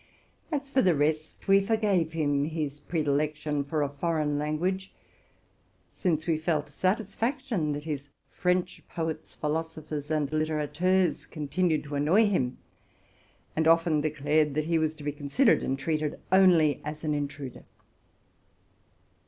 As for the rest, we forgave him his predilection for a foreign language ; since we felt sat isfaction that his French poets, philosophers s, and littérateurs continued to annoy him, and often declared that he was to be considered and treated only as an intruder.